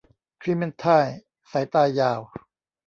คลีเมนไทน์สายตายาว